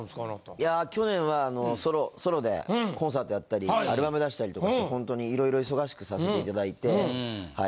いや去年はソロソロでコンサートやったりアルバム出したりとかしてほんとにいろいろ忙しくさせていただいてはい。